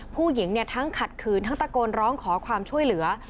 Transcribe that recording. ผู้หญิงทั้งขัดขืนทั้งตะโกนร้องขอความช่วยเหลือ